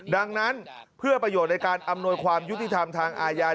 ดังนั้นเพื่อประโยชน์ในการอำนวยความยุติธรรมทางอาญา